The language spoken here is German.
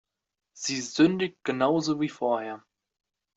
Sie sündigt genauso wie vorher.